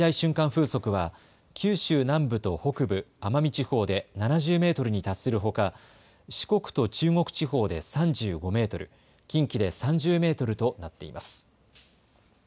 風速は九州南部と北部、奄美地方で７０メートルに達するほか、四国と中国地方で３５メートル、近畿で３０メートルとなっています。